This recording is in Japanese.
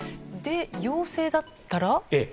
で、陽性だったら？